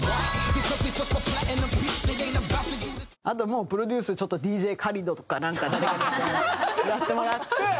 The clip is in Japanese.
あともうプロデュースちょっとＤＪキャレドとかなんか誰かにやってもらって。